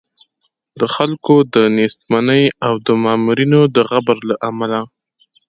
د خلکو د نېستمنۍ او د مامورینو د غبن له امله.